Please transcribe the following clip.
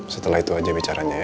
setelah itu aja bicaranya ya